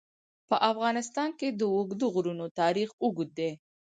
په افغانستان کې د اوږده غرونه تاریخ اوږد دی.